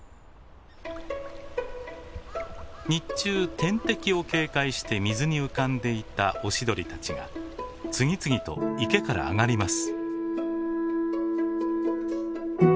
日中天敵を警戒して水に浮かんでいたオシドリたちが次々と池から上がります。